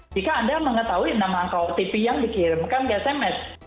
jika anda mengetahui nama nama tv yang dikirimkan di sms